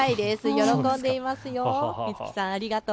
喜んでいます。